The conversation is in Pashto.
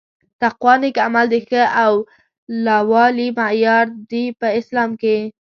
تقوا نيک عمل د ښه او لووالي معیار دي په اسلام کي